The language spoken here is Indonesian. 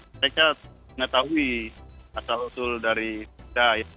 mereka mengetahui asal usul dari jari